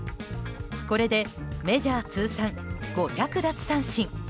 これでメジャー通算５００奪三振。